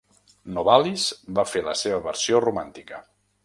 Novalis va fer la seva versió romàntica.